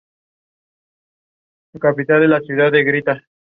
Harley-Davidson Inc.